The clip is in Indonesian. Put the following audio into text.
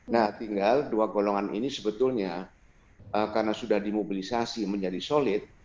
nah tinggal dua golongan ini sebetulnya karena sudah dimobilisasi menjadi solid